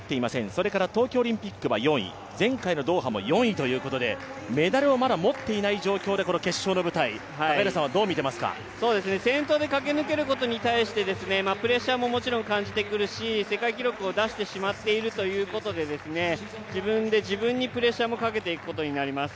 それから東京オリンピックは４位、前回のドーハも４位ということで、メダルをまだ持っていない状況でこの決勝の舞台、どう見ていますか先頭で駆け抜けることに対してプレッシャーももちろん感じてくるし世界記録を出してしまっているということで、自分で自分にプレッシャーもかけていくことになります。